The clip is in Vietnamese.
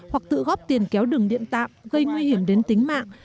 hoặc tự góp tiền kéo đường điện tạm gây nguy hiểm đến tính mạng